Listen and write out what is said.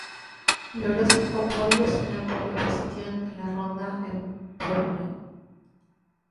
Logró cinco podios y una "pole position" en la ronda en Brno.